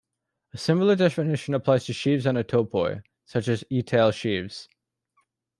A similar definition applies to sheaves on topoi, such as etale sheaves.